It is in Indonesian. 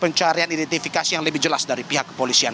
pencarian identifikasi yang lebih jelas dari pihak kepolisian